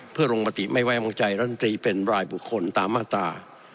เพื่อลงปฏิไม่แววงใจรัฐกรีย์เป็นหลายบุคคลตามมาตรา๑๕๑